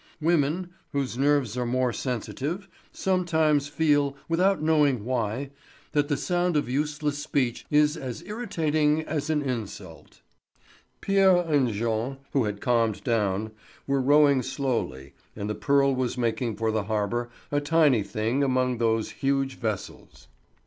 Women, whose nerves are more sensitive, sometimes feel, without knowing why, that the sound of useless speech is as irritating as an insult. Pierre and Jean, who had calmed down, were rowing slowly, and the Pearl was making for the harbour, a tiny thing among those huge vessels.